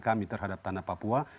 kami terhadap tanah papua